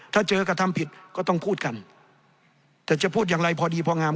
ถ้าเจอกระทำผิดก็ต้องพูดกันแต่จะพูดอย่างไรพอดีพองาม